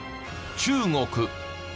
中国。